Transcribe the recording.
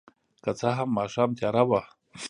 که څه هم ماښام تیاره وه.